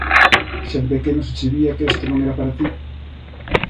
Xa de pequeno se che vía que esto non era para ti.